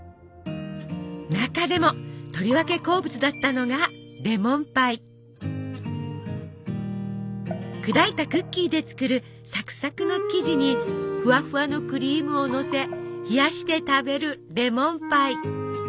中でもとりわけ好物だったのが砕いたクッキーで作るサクサクの生地にふわふわのクリームをのせ冷やして食べるレモンパイ。